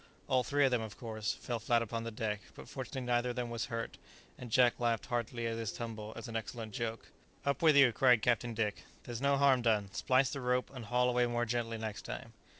All three of them, of course, fell flat upon the deck; but fortunately neither of them was hurt, and Jack laughed heartily at his tumble as an excellent joke. "Up with you!" cried Captain Dick; "there's no harm done; splice the rope, and haul away more gently next time."